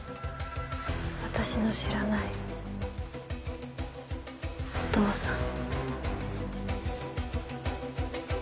私の知らないお父さん？